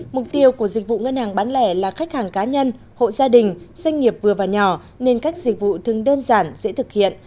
mục tiêu của dịch vụ ngân hàng bán lẻ là khách hàng cá nhân hộ gia đình doanh nghiệp vừa và nhỏ nên các dịch vụ thường đơn giản dễ thực hiện